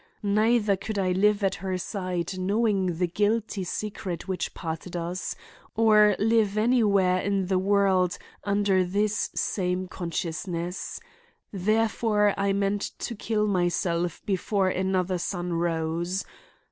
Neither could I live at her side knowing the guilty secret which parted us; or live anywhere in the world under this same consciousness. Therefore, I meant to kill myself before another sun rose.